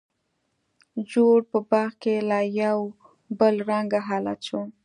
جوړ په باغ کې لا یو بل رنګه حالت شو.